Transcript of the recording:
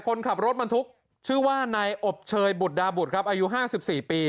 คนขับรถบรรทุกชื่อว่านายอบเชยบุตรดาบุตรครับอายุ๕๔ปี